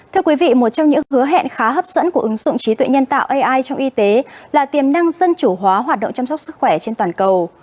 thưa quý vị một trong những hứa hẹn khá hấp dẫn của ứng dụng trí tuệ nhân tạo ai trong y tế là tiềm năng dân chủ hóa hoạt động chăm sóc sức khỏe trên toàn cầu